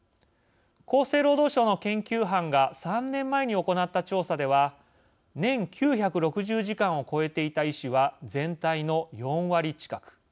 厚生労働省の研究班が３年前に行った調査では年９６０時間を超えていた医師は全体の４割近く。